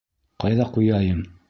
Ҡайҙа ҡуяйым?